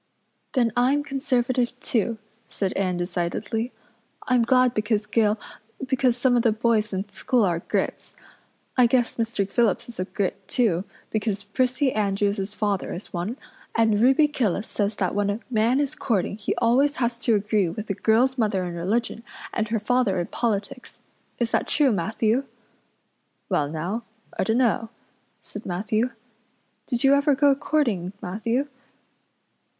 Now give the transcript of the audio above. "Then I'm Conservative too," said Anne decidedly. "I'm glad because Gil because some of the boys in school are Grits. I guess Mr. Phillips is a Grit too because Prissy Andrews's father is one, and Ruby Gillis says that when a man is courting he always has to agree with the girl's mother in religion and her father in politics. Is that true, Matthew?" "Well now, I dunno," said Matthew. "Did you ever go courting, Matthew?"